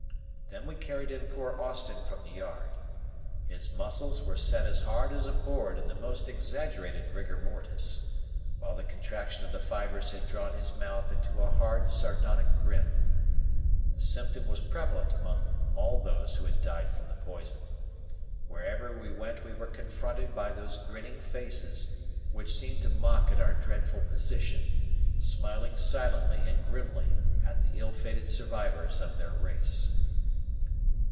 Then we carried in poor Austin from the yard. His muscles were set as hard as a board in the most exaggerated rigor mortis, while the contraction of the fibres had drawn his mouth into a hard sardonic grin. This symptom was prevalent among all who had died from the poison. Wherever we went we were confronted by those grinning faces, which seemed to mock at our dreadful position, smiling silently and grimly at the ill fated survivors of their race.